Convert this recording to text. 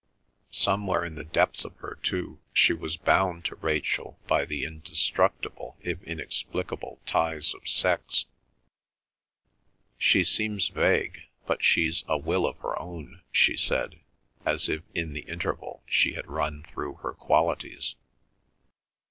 Somewhere in the depths of her, too, she was bound to Rachel by the indestructible if inexplicable ties of sex. "She seems vague, but she's a will of her own," she said, as if in the interval she had run through her qualities.